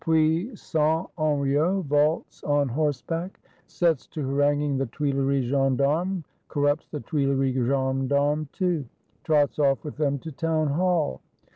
Puissant Henriot vaults on horseback; sets to haranguing the Tuileries Gendarmes; corrupts the Tuileries Gendarmes, too; trots off with them to Townhall.